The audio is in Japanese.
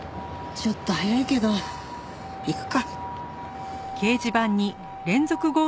ちょっと早いけど行くか。